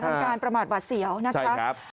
กระทั่งการประมาทบาทเสียวนะครับ